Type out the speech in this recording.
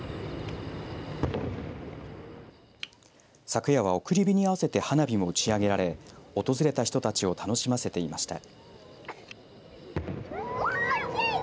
昨夜は、送り火に合わせて花火も打ち上げられ訪れた人たちを楽しませていました。